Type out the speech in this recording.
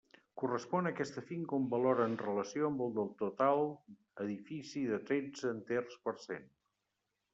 Correspon a aquesta finca un valor en relació amb el del total edifici de tretze enters per cent.